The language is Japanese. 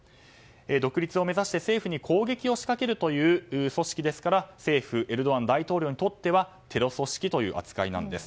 独立を目指して政府に攻撃を仕掛けるという組織ですから政府エルドアン大統領にとってはテロ組織という扱いなんです。